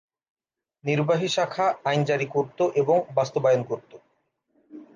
নির্বাহী শাখা আইন জারি করত এবং বাস্তবায়ন করত।